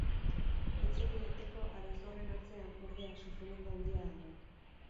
Hitz egiteko arazo horren atzean, ordea, sufrimendu handia dago.